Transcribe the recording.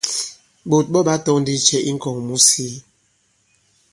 Ɓǒt ɓɔ ɓa tɔ̄ŋ ndi cɛ i ŋ̀kɔ̀ŋ mu si?